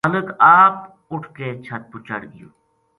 خالق آپ اُٹھ کے چھَت پو چڑھ گیو